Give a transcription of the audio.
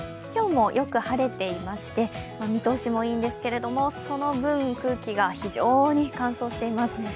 今日もよく晴れていまして見通しもいいんですけれども、その分、空気が非常に乾燥しています。